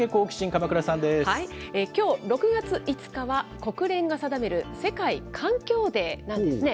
鎌倉さきょう６月５日は、国連が定める世界環境デーなんですね。